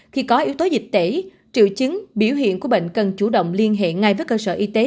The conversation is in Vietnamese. khi có yếu tố dịch tễ triệu chứng biểu hiện của bệnh cần chủ động liên hệ ngay với cơ sở y tế